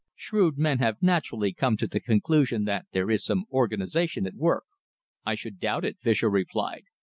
Shrewd men have naturally come to the conclusion that there is some organisation at work." "I should doubt it," Fischer replied.